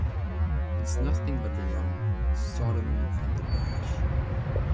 It's nothing but rum, sodomy, and the lash.